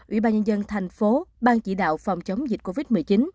ủy ban nhân dân thành phố ban chỉ đạo phòng chống dịch covid một mươi chín